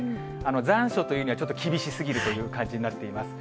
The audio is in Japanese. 残暑というには、ちょっと厳しすぎるという感じになっています。